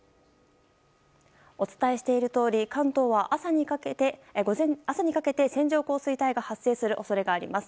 お伝えしているとおり関東は朝にかけて線状降水帯が発生する恐れがあります。